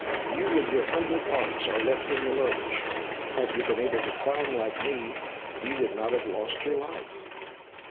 "You with your hundred arts are left in the lurch! Had you been able to climb like me, you would not have lost your life."